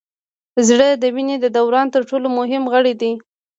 زړه د وینې د دوران تر ټولو مهم غړی دی